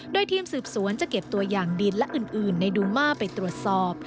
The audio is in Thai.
โดยทีมสืบสวนจะเก็บตัวอย่างดินและอื่นในดูมาไปตรวจสอบ